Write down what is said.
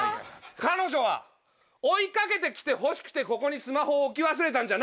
彼女は追い掛けて来てほしくてここにスマホを置き忘れたんじゃない！